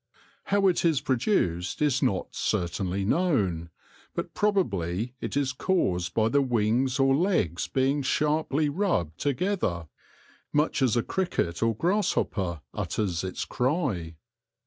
How it is produced is not certainly known, but probably it is caused by the wings or legs being sharply rubbed together, much as a cricket or grasshopper utters its cry.